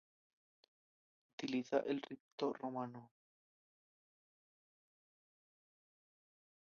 Utiliza el rito romano.